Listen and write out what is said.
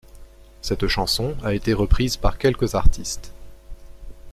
Cette chanson a été reprise par quelques artistes.